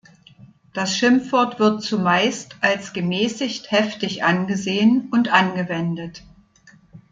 Das Schimpfwort wird zumeist als gemäßigt heftig angesehen und angewendet.